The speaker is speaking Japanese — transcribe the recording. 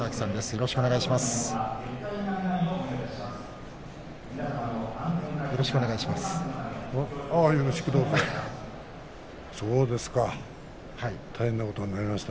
よろしくお願いします。